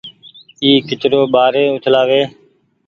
اي ڪچرو ٻآري اڇلآ وي